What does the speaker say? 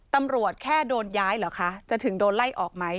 ตำรวจแค่โดนย้ายเหรอคะจะถึงโดนไล่ออกไหม